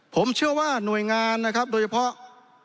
ผมเชื่อว่าหน่วยงานนะครับโดยเฉพาะ